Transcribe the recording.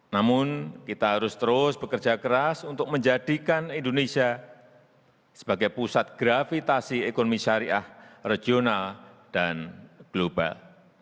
namun kita harus terus bekerja keras untuk menjadikan indonesia sebagai pusat gravitasi ekonomi syariah regional dan global